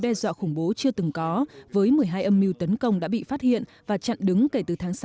đe dọa khủng bố chưa từng có với một mươi hai âm mưu tấn công đã bị phát hiện và chặn đứng kể từ tháng sáu